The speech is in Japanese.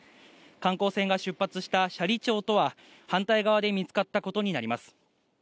観光船が出発した斜里町とは、反対側で見つかったことになります。